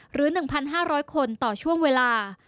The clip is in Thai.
หรือ๑๕๐๐คนต่อช่วงเวลา